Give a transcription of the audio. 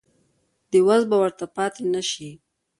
د وس به ورته پاتې نه شي.